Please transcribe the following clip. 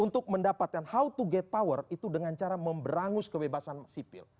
untuk mendapatkan how to get power itu dengan cara memberangus kebebasan sipil